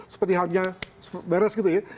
seperti halnya beres gitu ya